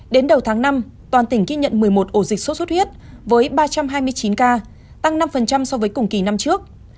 đến đầu tháng năm toàn tỉnh ghi nhận một mươi một ổ dịch sốt xuất huyết với ba trăm hai mươi chín ca tăng năm so với cùng kỳ năm trước